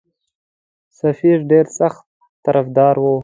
سفیر ډېر سخت طرفدار وو.